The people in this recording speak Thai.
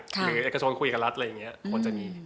หรือเอกชนคุยกับรัฐอะไรอย่างนี้